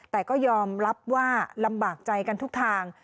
แต่ก็ยอมรับว่าลำบากใจกันทุกทาง